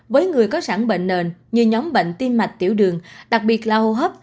với người có sẵn bệnh nền như nhóm bệnh tim mạch tiểu đường đặc biệt là hô hấp